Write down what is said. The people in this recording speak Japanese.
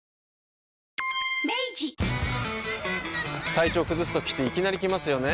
体調崩すときっていきなり来ますよね。